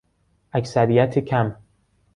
اکثریت کم